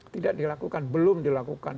tidak dilakukan belum dilakukan